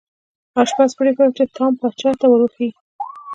آشپز پریکړه وکړه چې ټام پاچا ته ور وښيي.